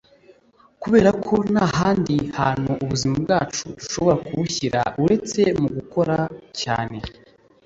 kubera ko nta handi hantu ubuzima bwacu dushobora kubushyira uretse mu gukora cyane